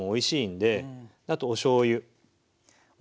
あとおしょうゆ。